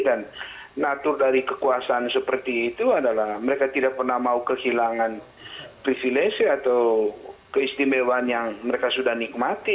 natur dari kekuasaan seperti itu adalah mereka tidak pernah mau kehilangan privilege atau keistimewaan yang mereka sudah nikmati